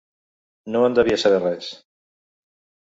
No en devia saber res.